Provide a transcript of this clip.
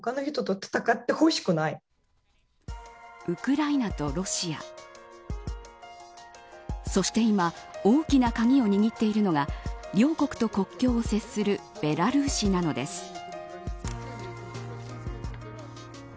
ウクライナとロシアそして今大きな鍵を握っているのが両国と国境を接するベラルーシなのです。